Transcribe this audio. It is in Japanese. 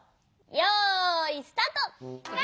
よいスタート！